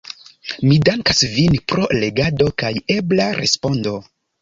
Mi dankas vin pro legado kaj ebla respondo.